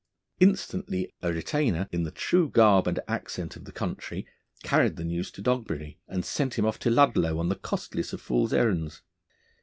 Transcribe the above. Instantly a retainer, in the true garb and accent of the country, carried the news to Dogberry, and sent him off to Ludlow on the costliest of fool's errands.